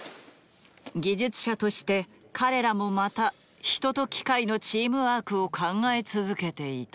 技術者として彼らもまた人と機械のチームワークを考え続けていた。